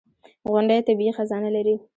• غونډۍ طبیعي خزانه لري.